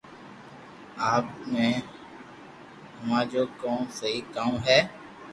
آپ ني ھماجو ڪو سھو ڪاو ھي